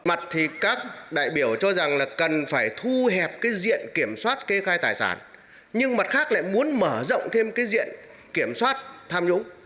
mặt thì các đại biểu cho rằng là cần phải thu hẹp cái diện kiểm soát kê khai tài sản nhưng mặt khác lại muốn mở rộng thêm cái diện kiểm soát tham nhũng